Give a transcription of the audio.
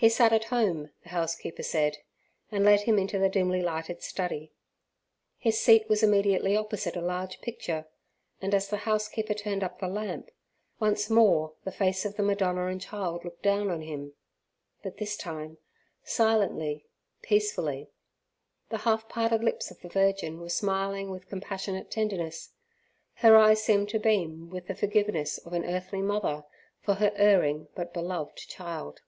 He sat at home, the house keeper said, and led him into the dimly lighted study. His seat was immediately opposite a large picture, and as the housekeeper turned up the lamp, once more the face of the Madonna and Child looked down on him, but this time silently, peacefully. The half parted lips of the Virgin were smiling with compassionate tenderness; her eyes seemed to beam with the forgiveness of an earthly mother for her erring but beloved child.